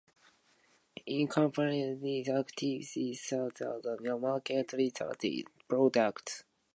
It encompasses activities such as market research, product design, process development, and supplier selection.